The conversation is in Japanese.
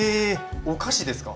お菓子ですか？